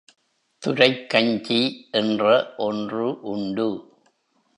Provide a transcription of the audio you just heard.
துரைக்கஞ்சி என்ற ஒன்று உண்டு.